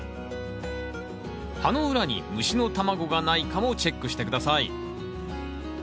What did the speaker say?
葉の裏に虫の卵がないかもチェックして下さい。